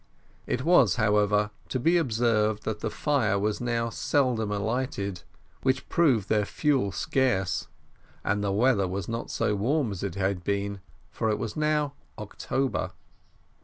It was, however, to be observed, that the fire was now seldomer lighted, which proved their fuel scarce, and the weather was not so warm as it had been, for it was now October.